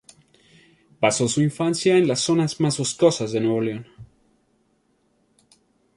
Pasó su infancia en una de las zonas más boscosas de Nuevo León.